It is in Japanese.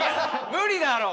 無理だろ！